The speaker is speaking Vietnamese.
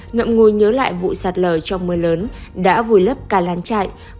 ngậm ngùi nhớ lại vụ sạt lở trong mưa lớn đã vùi lấp cả lán chạy